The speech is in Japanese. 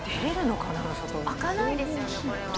「開かないですよねこれは」